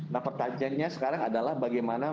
nah pertanyaannya sekarang adalah bagaimana